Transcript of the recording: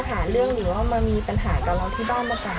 กลุ่มเนี่ยเขาเคยมาหาเรื่อง